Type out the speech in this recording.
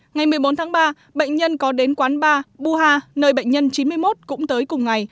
ngày một mươi bốn tháng ba bệnh nhân có đến quán bar buha nơi bệnh nhân chín mươi một cũng tới cùng ngày